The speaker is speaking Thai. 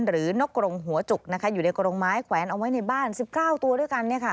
นกกรงหัวจุกอยู่ในกรงไม้แขวนเอาไว้ในบ้าน๑๙ตัวด้วยกัน